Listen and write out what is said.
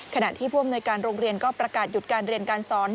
ขณะที่ผู้อำนวยการโรงเรียนก็ประกาศหยุดการเรียนการสอน